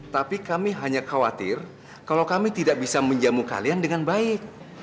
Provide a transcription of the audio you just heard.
tapi kami hanya khawatir kalau kami tidak bisa menjamu kalian dengan baik